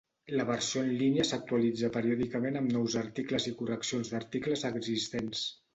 La versió en línia s'actualitza periòdicament amb nous articles i correccions d'articles existents.